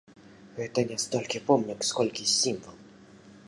Гэта не столькі помнік, колькі сімвал.